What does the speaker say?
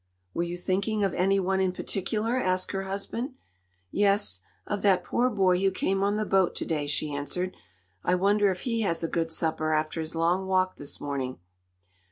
"Were you thinking of any one in particular?" asked her husband. "Yes, of that poor boy who came on the boat to day," she answered. "I wonder if he has a good supper after his long walk this morning?"